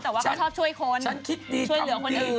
แต่เขาชอบช่วยคนช่วยเหลือคนอื่นคุณคิดดีคำพรี